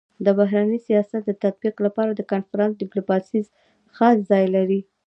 د بهرني سیاست د تطبيق لپاره د کنفرانس ډيپلوماسي خاص ځای لري.